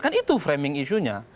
kan itu framing isunya